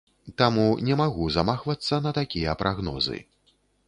Таму не магу замахвацца на такія прагнозы.